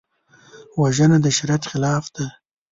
وژنه د شریعت خلاف ده